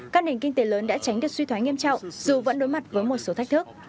các nền kinh tế lớn đã tránh được suy thoái nghiêm trọng dù vẫn đối mặt với một số thách thức